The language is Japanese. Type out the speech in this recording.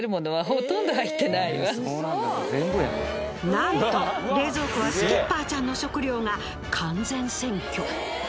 なんと冷蔵庫はスキッパーちゃんの食料が完全占拠！